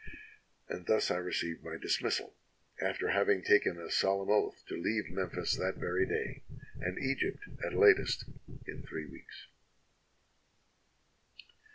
"And thus I received my dismissal, after having taken a solemn oath to leave Memphis that very day, and Egypt, at latest, in three weeks."